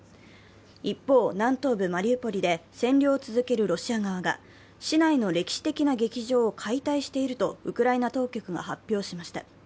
一方、南東部マリウポリで占領を続けるロシア側が市内の歴史的な劇場を解体しているとウクライナ当局が発表しました。